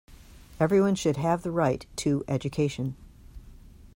Everyone should have the right to education.